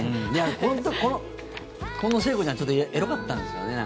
本当、この聖子ちゃんちょっとエロかったんですよね